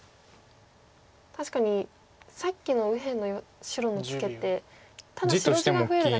確かにさっきの右辺の白のツケってただ白地が増えるだけじゃなく。